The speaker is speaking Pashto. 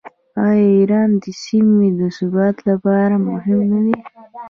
آیا ایران د سیمې د ثبات لپاره مهم نه دی؟